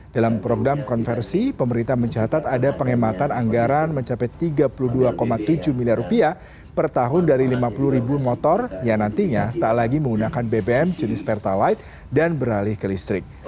dalam program konversi pemerintah mencatat ada penghematan anggaran mencapai rp tiga puluh dua tujuh miliar rupiah per tahun dari lima puluh ribu motor yang nantinya tak lagi menggunakan bbm jenis pertalite dan beralih ke listrik